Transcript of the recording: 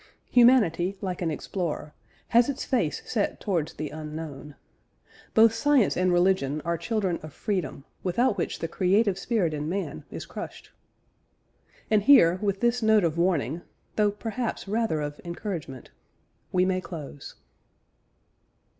Humanity, like an explorer, has its face set towards the unknown. Both science and religion are children of freedom, without which the creative spirit in man is crushed. And here, with this note of warning (though perhaps rather of encouragement) we may close.